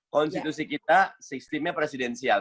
konstitusi kita sistemnya presidensial